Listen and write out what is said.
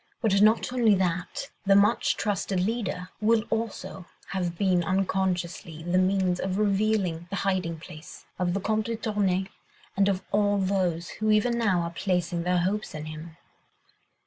But not only that, the much trusted leader will also have been unconsciously the means of revealing the hiding place of the Comte de Tournay and of all those who, even now, are placing their hopes in him."